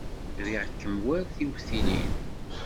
Riɣ-kem war tiwtilin.